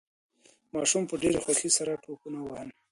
ماشوم په ډېرې خوښۍ سره ټوپونه وهل.